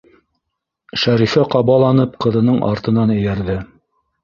Шәрифә ҡабаланып ҡыҙының артынан эйәрҙе.